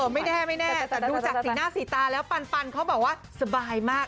ไม่แน่ไม่แน่แต่ดูจากสีหน้าสีตาแล้วปันเขาบอกว่าสบายมาก